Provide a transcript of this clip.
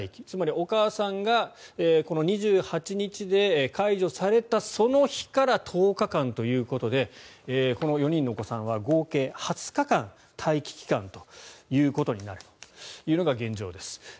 つまりお母さんがこの２８日で解除されたその日から１０日間ということでこの４人のお子さんは合計２０日間、待機期間ということになるというのが現状です。